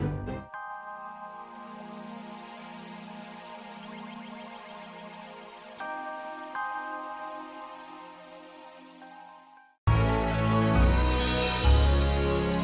ini yang harus ditutup